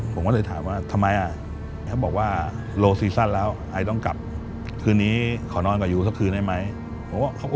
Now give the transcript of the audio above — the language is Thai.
ผมก็เลยถามว่าทำไมอ่ะเขาบอกว่า